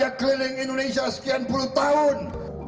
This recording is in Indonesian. saya ingin hidup sebagai bangsa indonesia sekian puluh tahun